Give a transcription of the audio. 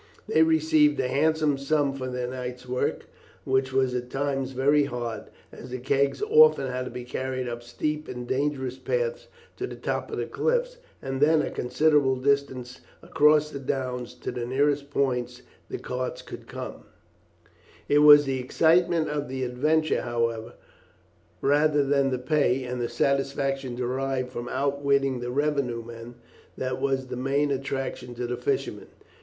They received a handsome sum for their night's work, which was at times very hard, as the kegs had often to be carried up steep and dangerous paths to the top of the cliffs, and then a considerable distance across the downs to the nearest points the carts could come to. It was the excitement of the adventure, however, rather than the pay, and the satisfaction derived from outwitting the revenue men, that was the main attraction to the fishermen.